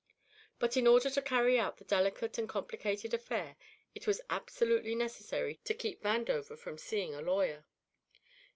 But in order to carry out the delicate and complicated affair it was absolutely necessary to keep Vandover from seeing a lawyer.